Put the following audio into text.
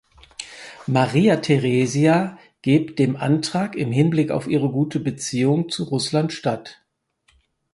Maria Theresia geb dem Antrag im Hinblick auf ihre guten Beziehungen zu Russland statt.